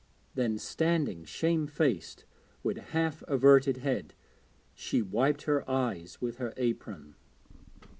Then standing shame faced, with half averted head, she wiped her eyes with her apron.